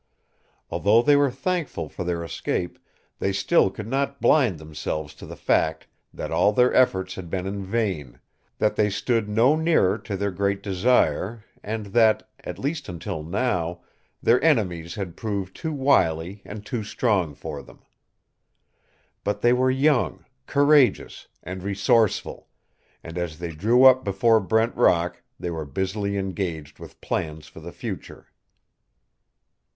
Although they were thankful for their escape, still they could not blind themselves to the fact that all their efforts had been in vain, that they stood no nearer to their great desire, and that, at least until now, their enemies had proved too wily and too strong for them. But they were young, courageous, and resourceful, and as they drew up before Brent Rock they were busily engaged with plans for the future.